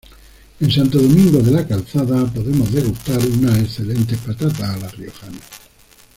En Santo Domingo de la Calzada podemos degustar unas excelentes patatas a la riojana.